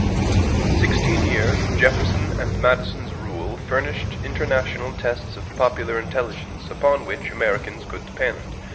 The sixteen years of Jefferson and Madison's rule furnished international tests of popular intelligence upon which Americans could depend.